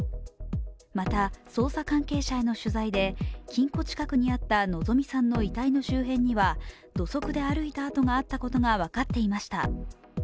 また捜査関係者への取材で金庫近くにあった希美さんの遺体の周辺には土足で歩いた跡があったことが分かっていました。